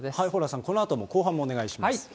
蓬莱さん、このあとも、後半もお願いいたします。